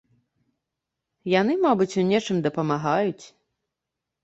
Яны, мабыць, у нечым дапамагаюць.